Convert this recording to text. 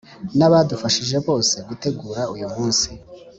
n’abadufashije bose gutegura uyu munsi.